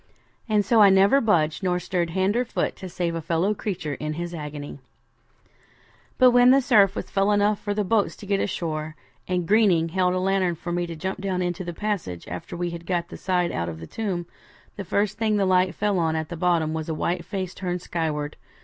And so I never budged, nor stirred hand or foot to save a fellow creature in his agony. 'But when the surf fell enough for the boats to get ashore, and Greening held a lantern for me to jump down into the passage, after we had got the side out of the tomb, the first thing the light fell on at the bottom was a white face turned skyward.